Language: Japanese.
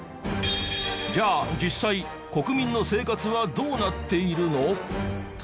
じゃあ実際国民の生活はどうなっているの？